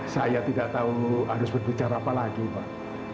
saya tidak tahu harus berbicara apa lagi pak